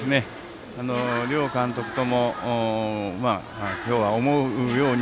両監督ともに今日は思うように